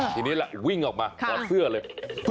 ทีนี้ล่ะวิ่งออกมาถอดเสื้อเลย